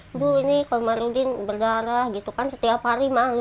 ibu ini komarudin berdarah gitu kan setiap hari malu